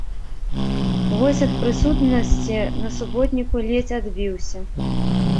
Вось ад прысутнасці на суботніку ледзь адбіўся.